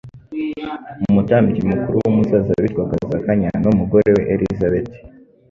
Umutambyi mukuru w'umusaza witwaga Zakanya n'umugore we Elizabeti